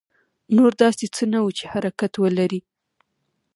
نور داسې څه نه وو چې حرکت ولري.